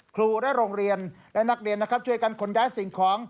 ครูและโรงเรียนและนักเรียนนะครับช่วยกันขนย้ายสิ่งของ